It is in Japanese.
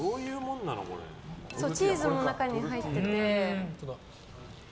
チーズも中に入ってて。